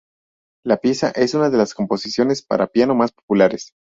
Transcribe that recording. La pieza es una de sus composiciones para piano más populares.